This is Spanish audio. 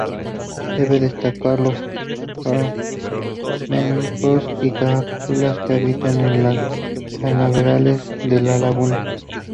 Cabe destacar los flamencos y espátulas que habitan en los cañaverales de la laguna.